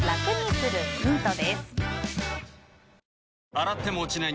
洗っても落ちない